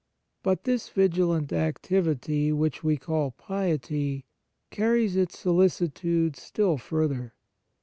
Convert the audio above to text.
But this vigilant activity, which we call piety, carries its solicitude still further.